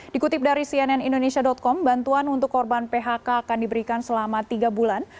dikutip dari cnn indonesia com bantuan untuk korban phk akan diberikan selama tiga bulan